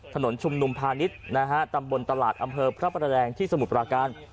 ชุมนุมพาณิชย์นะฮะตำบลตลาดอำเภอพระประแดงที่สมุทรปราการ